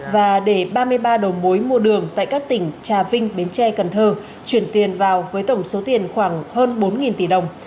và để ba mươi ba đầu mối mua đường tại các tỉnh trà vinh bến tre cần thơ chuyển tiền vào với tổng số tiền khoảng hơn bốn tỷ đồng